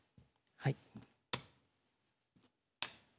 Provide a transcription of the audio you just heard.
はい。